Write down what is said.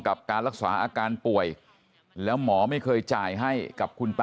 กับการรักษาอาการป่วยแล้วหมอไม่เคยจ่ายให้กับคุณตา